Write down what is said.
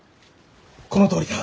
このとおりだ。